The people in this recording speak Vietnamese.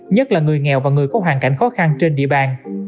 nhất là người nghèo và người có hoàn cảnh khó khăn trên địa bàn